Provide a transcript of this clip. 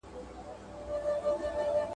زه دي د مار څخه نه بېرېږم، ته مي په شرمښکۍ بېروې.